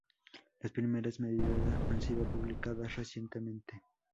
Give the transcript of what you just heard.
Las primeras medidas han sido publicadas recientemente.